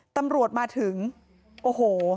ตำรวจมาถึงโอ้โห